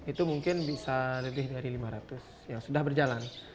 itu mungkin bisa lebih dari lima ratus yang sudah berjalan